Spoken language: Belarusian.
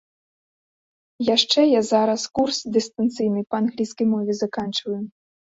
Яшчэ я зараз курс дыстанцыйны па англійскай мове заканчваю.